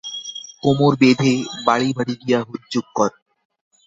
কোমর বেঁধে বাড়ী বাড়ী গিয়ে হুজ্জুক কর।